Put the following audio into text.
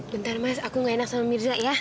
bentar mas aku gak enak sama mirza ya